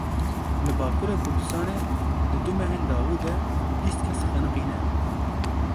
Li Bakurê Kurdistanê di du mehên dawî de bîst kes xeniqîne.